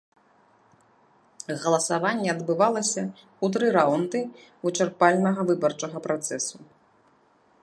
Галасаванне адбывалася ў тры раўнды вычарпальнага выбарчага працэсу.